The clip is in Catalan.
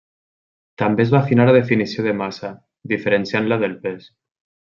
També es va afinar la definició de massa, diferenciant-la del pes.